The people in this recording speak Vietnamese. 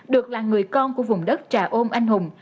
được là người con của vùng đất trà ôm anh hùng